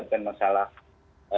bukan masalah itu